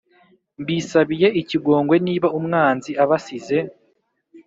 Mbisabiye ikigongwe Niba umwanzi abasize